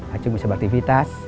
acung bisa beraktifitas